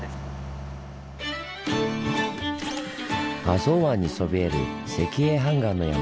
浅茅湾にそびえる石英斑岩の山。